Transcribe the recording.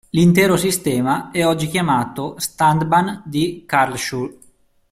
L'intero sistema è oggi chiamato Stadtbahn di Karlsruhe.